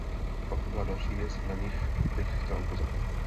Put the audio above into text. Pak tu byla další věc, na niž bych chtěla upozornit.